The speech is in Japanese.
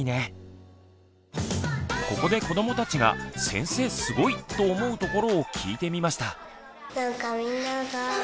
ここで子どもたちが「先生すごい！」と思うところを聞いてみました。